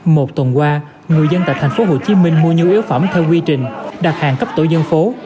một tuần qua người dân tại thành phố hồ chí minh mua nhu yếu phẩm theo quy trình đặt hàng cấp tổ dân phố